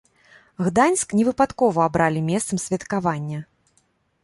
Гданьск не выпадкова абралі месцам святкавання.